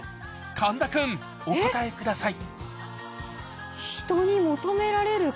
神田君お答えください